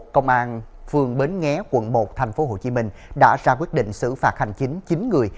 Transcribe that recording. công an phường bến nghé quận một tp hcm đã ra quyết định xử phạt hành chính chín người